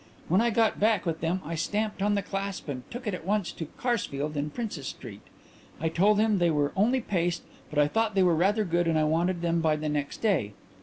When I got back with them I stamped on the clasp and took it at once to Karsfeld in Princess Street. I told him they were only paste but I thought they were rather good and I wanted them by the next day.